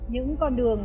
những con đường